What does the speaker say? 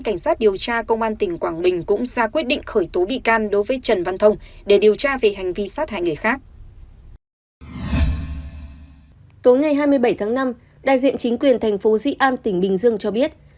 tối ngày hai mươi bảy tháng năm đại diện chính quyền thành phố di an tỉnh bình dương cho biết